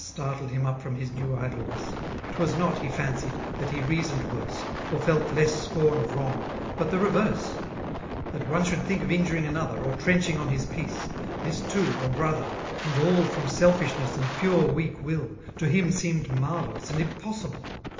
Startled him up from his new idleness, Twas not, — ^he fancied,— that he reasoned worse. Or felt less scorn of wrong, but tbe reverse. Ttiat one should think of ii^uriiM^ another. Or trenching on his peace,— this too a broHier,— And all from selfishness i^d pure wttik will. To him seemed marvellous and impossible.